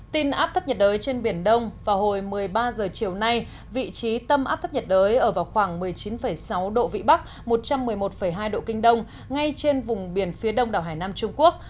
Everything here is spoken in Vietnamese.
tin áp thấp nhiệt đới trên biển đông vào hồi một mươi ba h chiều nay vị trí tâm áp thấp nhiệt đới ở vào khoảng một mươi chín sáu độ vĩ bắc một trăm một mươi một hai độ kinh đông ngay trên vùng biển phía đông đảo hải nam trung quốc